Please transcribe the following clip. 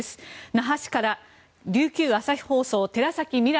那覇市から琉球朝日放送寺崎未来